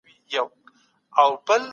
ژوند شرايط اغېزمن دي.